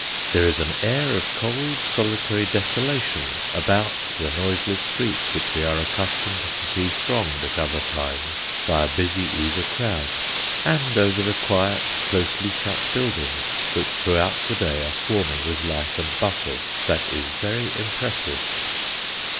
There is an air of cold, solitary desolation about the noiseless streets which we are accustomed to see thronged at other times by a busy, eager crowd, and over the quiet, closely shut buildings, which through out the day are swarming with life and bustle, that is very impressive.